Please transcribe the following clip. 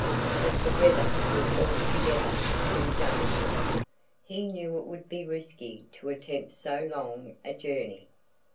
But the weather was altogether too dangerous. He knew it would be risky to attempt so long a journey.